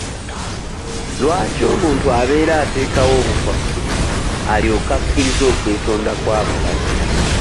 Lwaki omuntu abeera ateekawo obukwakkulizo alyoke akkirize okwetonda kw'abalala?